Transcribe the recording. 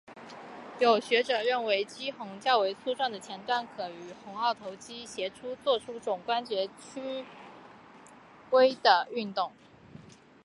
有学者认为肱肌较为粗壮的浅端可与与肱二头肌协同作出肘关节屈曲的动作。